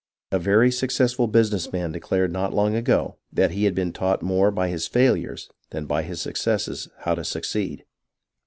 A very successful business man declared not long ago that he had been taught more by his failures than by his successes how to succeed.